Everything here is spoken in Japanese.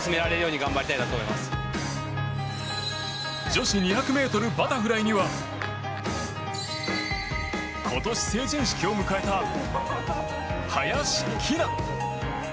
女子２００ｍバタフライには今年、成人式を迎えた林希菜。